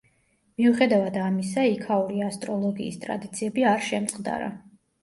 მიუხედავად ამისა, იქაური ასტროლოგიის ტრადიციები არ შემწყდარა.